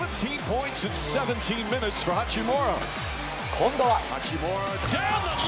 今度は。